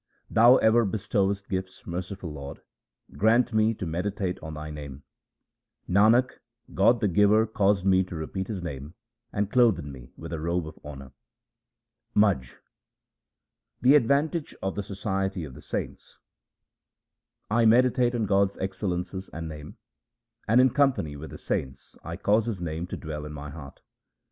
' Thou ever bestowest gifts, merciful Lord, grant me to meditate on Thy name.' Nanak, God the Giver caused me to repeat His name and clothed me with a robe of honour. Majh The advantage of the society of the saints :— I meditate on God's excellences and name, And in company with the saints I cause His name to dwell in my heart.